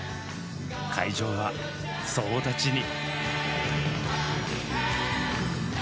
会場は総立ちに。